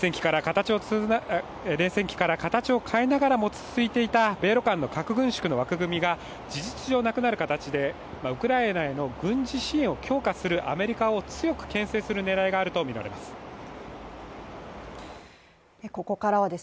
冷戦期から形を変えながらも続いていた米ロ間の核軍縮の枠組みが事実上なくなる形で、ウクライナへの軍事支援を強化するアメリカを強くけん制する狙いがあるとみられます。